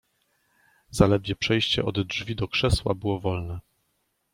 "Zaledwie przejście od drzwi do krzesła było wolne."